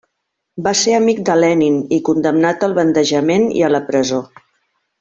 Va ser amic de Lenin i condemnat al bandejament i a la presó.